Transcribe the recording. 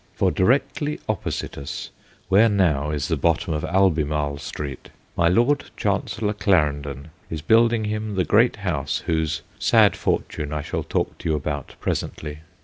For directly opposite us, where now is the bottom of Albemarle Street, my Lord Chancellor Clarendon is building him the great house whose sad fortune I shall talk to you about presently.